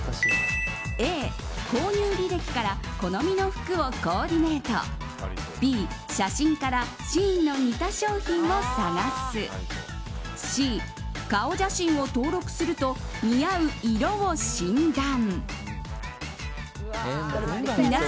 Ａ、購入履歴から好みの服をコーディネートＢ、写真からＳＨＥＩＮの似た商品を探すＣ、顔写真を登録すると似合う色を診断。